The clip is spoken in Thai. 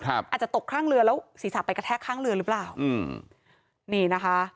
อาจจะตกข้างเรือแล้วศีรษะไปกระแทกข้างเรือหรือเปล่า